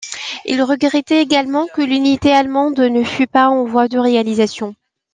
Ils regrettaient également que l'unité allemande ne fût pas en voie de réalisation.